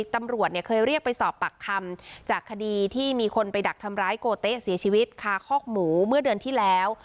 ตำรวจเนี่ยเคยเรียกไปสอบปากคำจากคดีที่มีคนไปดักทำร้ายโกเต๊ะเสียชีวิตคาคอกหมูเมื่อเดือนที่แล้ว